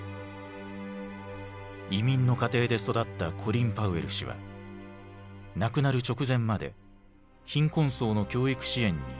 移民の家庭で育ったコリン・パウエル氏は亡くなる直前まで貧困層の教育支援に私財を投じた。